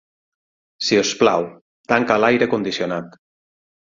Sisplau, tanca l'aire condicionat.